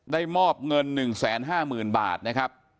มอบเงิน๑๕๐๐๐บาทนะครับ